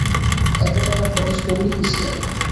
এত টাকা খরচ করলি কিসে?